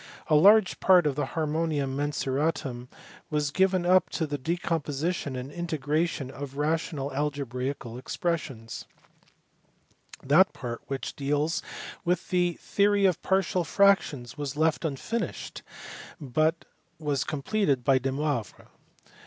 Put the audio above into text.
A largr part <>f I IK //armonid Mvnxti/t d rn/m is givrn up to UK; decomposition and integration of rational algebraical expressions : that part which deals with the theory of partial fractions was left unfmishe d, but was completed by Domoivro.